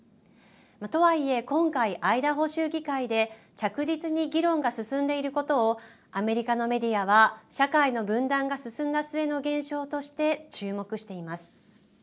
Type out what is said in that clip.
とはいえ今回アイダホ州議会で着実に議論が進んでいることをアメリカのメディアは社会の分断が進んだ末の現象として注目しています。